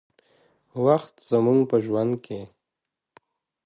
وخت زموږ په ژوند کې